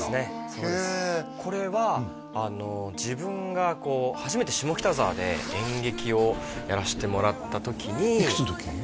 そうですへえこれは自分が初めて下北沢で演劇をやらしてもらった時にいくつの時？